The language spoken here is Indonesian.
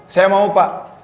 saya mau pak